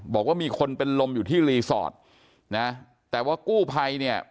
บอกว่ามีคนเป็นลมอยู่ที่รีสอร์ทนะแต่ว่ากู้ภัยเนี่ย